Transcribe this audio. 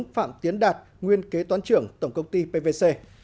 bốn phạm tiến đạt nguyên kế toán trưởng tổng công ty pwc